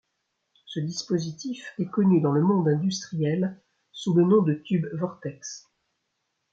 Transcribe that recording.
Ce dispositif est connu dans le monde industriel sous le nom de tube vortex.